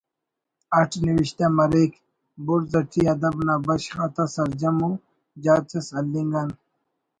اٹ نوشتہ مریک بڑز اٹی ادب نا بشخ آتا سرجم ءُ جاچ اس ہلنگ آن